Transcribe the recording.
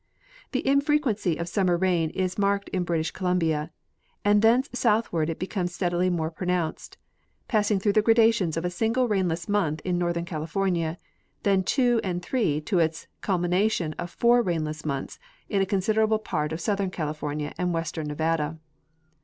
The infrequency of summer rain is marked in British Columbia, and thence southward it becom:es steadily more pronounced, passing through the gradations of a single rainless month in northern California, then two and three to its culmination of four rainless months in a considerable part of southern California and western Nevada.